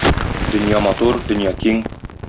Дөнья матур, дөнья киң...